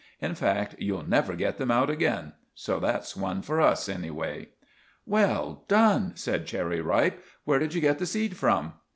In fact, you'll never get them out again. So that's one for us, anyway." "Well done!" said Cherry Ripe. "Where did you get the seed from?"